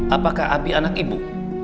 apakah abi anak ibu